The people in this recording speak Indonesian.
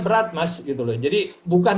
berat mas jadi bukan